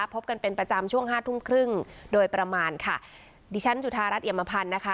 พบกันเป็นประจำช่วงห้าทุ่มครึ่งโดยประมาณค่ะดิฉันจุธารัฐเอียมพันธ์นะคะ